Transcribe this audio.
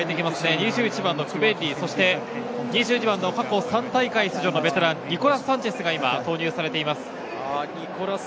２１番のクベッリ、２２番の３大会出場、ベテランのニコラス・サンチェスが投入されています。